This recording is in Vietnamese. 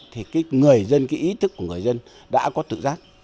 thì cái ý thức của người dân đã có tự rác